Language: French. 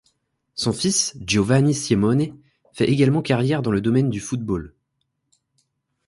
Son fils, Giovanni Simeone, fait également carrière dans le domaine du football.